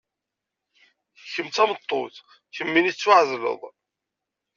kemm d tameṭṭut, kemmini tettwaɛezleḍ.